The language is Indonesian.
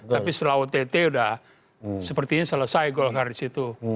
tapi setelah ott udah sepertinya selesai golkar disitu